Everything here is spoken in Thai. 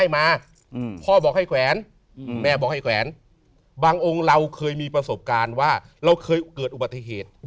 แม่บอกให้แขวนบางองค์เราเคยมีประสบการณ์ว่าเราเคยเกิดอุบัติเทศ